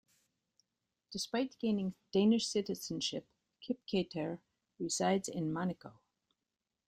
Despite gaining Danish citizenship, Kipketer resides in Monaco.